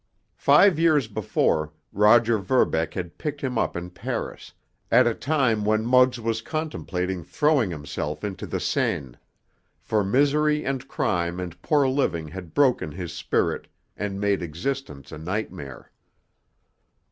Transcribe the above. Five years before, Roger Verbeck had picked him up in Paris, at a time when Muggs was contemplating throwing himself into the Seine, for misery and crime and poor living had broken his spirit and made existence a nightmare.